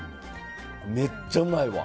めっちゃうまいわ。